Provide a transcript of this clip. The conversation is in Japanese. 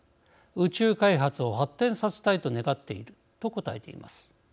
宇宙開発を発展させたいと願っていると答えています。